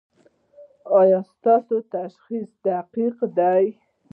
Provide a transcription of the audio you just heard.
ایا ستاسو تشخیص دقیق دی؟